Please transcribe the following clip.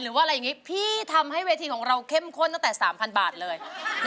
หรือว่าอะไรอย่างนี้พี่ทำให้เวทีของเราเข้มข้นตั้งแต่๓๐๐บาทเลย